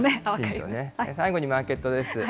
最後にマーケットです。